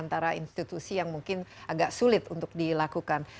ini adalah institusi yang mungkin agak sulit untuk dilakukan